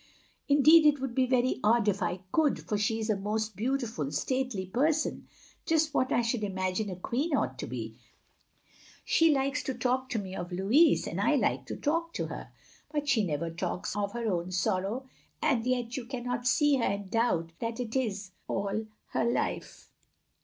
"Indeed it would be very odd if I could, for she is a most beautiful, stately person, just what I should imagine a queen ought to be. She likes to talk to me of Louis, and I like to talk OP GROSVENOR SQUARE 351 to her. But she never talks of— of her own sorrow, and yet — and yet you cannot see her and doubt that it is — ^all her life.